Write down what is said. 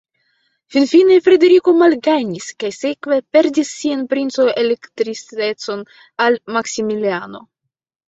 Finfine Frederiko malgajnis kaj sekve perdis sian princo-elektistecon al Maksimiliano.